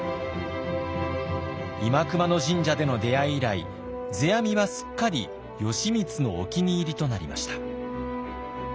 新熊野神社での出会い以来世阿弥はすっかり義満のお気に入りとなりました。